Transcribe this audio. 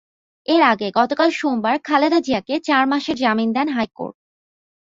এর আগে গতকাল সোমবার খালেদা জিয়াকে চার মাসের জামিন দেন হাইকোর্ট।